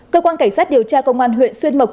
cơ quan cảnh sát điều tra công an huyện xuyên mộc